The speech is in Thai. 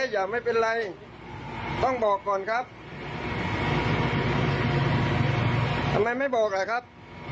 ทำไมไม่บอกล่ะครับ